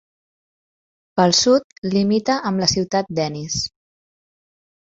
Pel sud limita amb la ciutat d'Ennis.